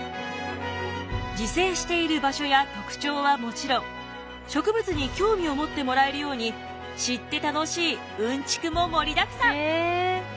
自生している場所や特徴はもちろん植物に興味を持ってもらえるように知って楽しいうんちくも盛りだくさん。